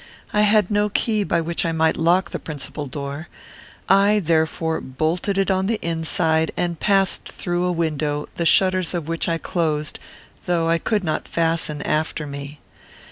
I had no key by which I might lock the principal door. I therefore bolted it on the inside, and passed through a window, the shutters of which I closed, though I could not fasten after me.